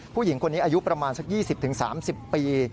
ผู้หญิงคนนี้อายุประมาณสัก๒๐๓๐ปี